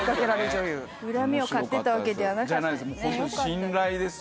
恨みを買ってたわけではなかったんですねじゃないです